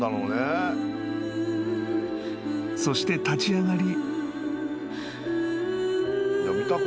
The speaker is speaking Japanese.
［そして立ち上がり］